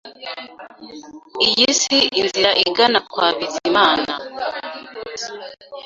Iyi si inzira igana kwa Bizimana